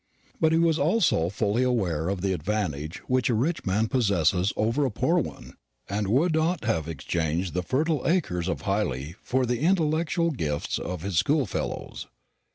But he was also fully aware of the advantage which a rich man possesses over a poor one, and would not have exchanged the fertile acres of Hyley for the intellectual gifts of his schoolfellows.